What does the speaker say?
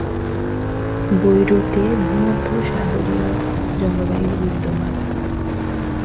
বৈরুতে ভূমধ্যসাগরীয় জলবায়ু বিদ্যমান।